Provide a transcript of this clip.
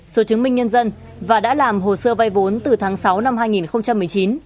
số chứng minh nhân dân và đã làm hồ sơ vay vốn từ tháng sáu năm hai nghìn một mươi chín